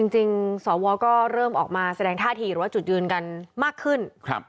จริงสวก็เริ่มออกมาแสดงท่าทีหรือว่าจุดยืนกันมากขึ้น